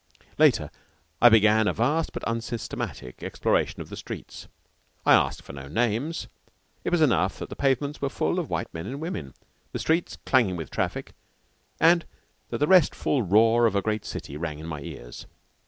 Later I began a vast but unsystematic exploration of the streets. I asked for no names. It was enough that the pavements were full of white men and women, the streets clanging with traffic, and that the restful roar of a great city rang in my ears.